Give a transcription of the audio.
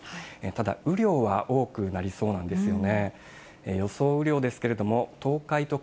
ただ、雨量は多くなりそうなんですよね。